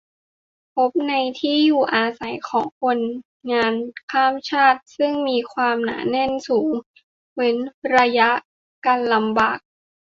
พบในที่อยู่อาศัยของคนงานข้ามชาติ ซึ่งมีความหนาแน่นสูง เว้นระยะกันลำบาก